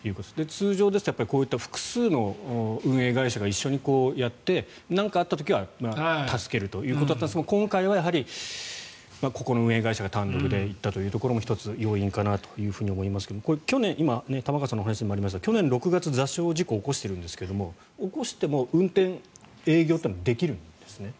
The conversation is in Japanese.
通常ですとこういった複数の運営会社が一緒にやって、何かあった時は助けるということだったんですが今回はやはり、ここの運営会社が単独で行ったということも１つ要因かなと思いますがこれ、去年玉川さんの話にもありましたが去年６月、座礁事故を起こしているんですが起こしても運転、営業というのはできるんですね。